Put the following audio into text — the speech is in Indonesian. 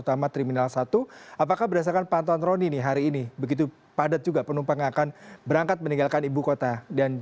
kami menyiapkan tiga puluh lima airport untuk semuanya ready